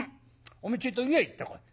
おめえちょいと湯へ行ってこい。